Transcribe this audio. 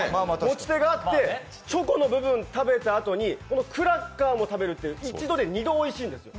チョコの部分食べたあとにクラッカーも食べるという一度で二度おいしいんですよ。